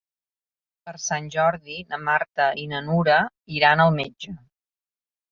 Per Sant Jordi na Marta i na Nura iran al metge.